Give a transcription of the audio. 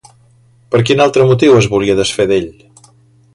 Per quin altre motiu es volia desfer d'ell?